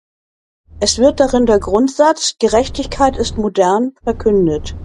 Es wird darin der Grundsatz „Gerechtigkeit ist modern“ verkündet.